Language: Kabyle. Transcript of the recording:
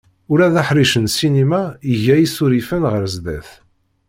Ula d aḥric n ssinima iga isurifen ɣer sdat.